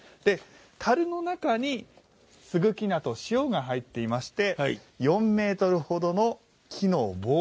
たるの中にすぐき菜と塩が入っていまして４ｍ程の木の棒。